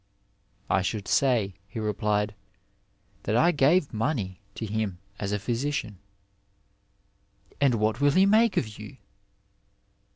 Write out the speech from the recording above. " "I should say," he replied, " that I gave money to him as a physician." " And what will he make of you?"